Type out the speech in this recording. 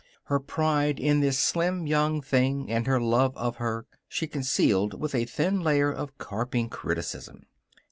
Her pride in this slim young thing and her love of her she concealed with a thin layer of carping criticism.